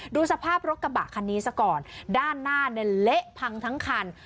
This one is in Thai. ดูสภาพรถกระบะคันนี้ซะก่อนด้านหน้าเนี่ยเละพังทั้งคัน